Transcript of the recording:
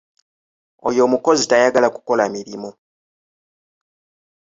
Oyo omukozi tayagala kukola mirimu.